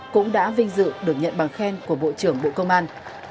cũng đã vinh dự được nhận bằng khen của bộ trưởng bộ công an